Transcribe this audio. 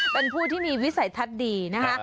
เป็นผู้ที่มีวิสัยทัศน์ดีนะคะ